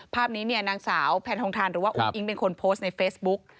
ภาพนี้เนี่ยนางสาวแพนทองทานหรือว่าอุ้งอิ๊งเป็นคนโพสต์ในเฟซบุ๊ก